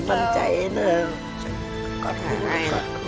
สัญญาณแหละ